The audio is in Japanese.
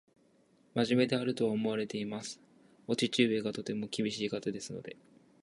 真面目であるとは思っています。お父様がとても厳しい方ですので